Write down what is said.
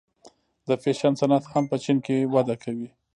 د فیشن صنعت هم په چین کې وده کوي.